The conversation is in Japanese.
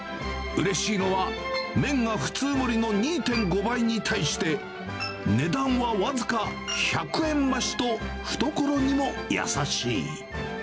うれしいのは、麺が普通盛の２．５倍に対して、値段は僅か１００円増しと懐にも優しい。